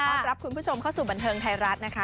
รับคุณผู้ชมเข้าสู่บันเทิงไทยรัฐนะคะ